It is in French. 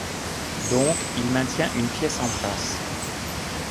Donc, il maintient une pièce en place.